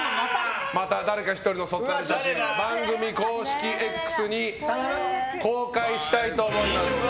また、誰か１人の卒アル写真を番組公式Ｘに公開したいと思います。